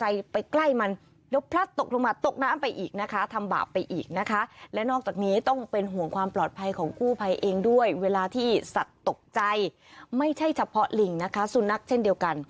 ใช่นะคะแล้วก็อย่าไปใกล้นะคะ